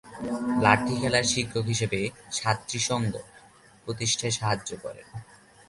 লাঠি খেলার শিক্ষক হিসেবে "ছাত্রী সংঘ" প্রতিষ্ঠায় সাহায্য করেন।